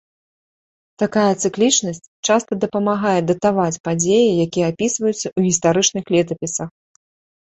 Такая цыклічнасць часта дапамагае датаваць падзеі, якія апісваюцца ў гістарычных летапісах.